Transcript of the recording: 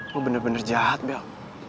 lo bener bener jahat bel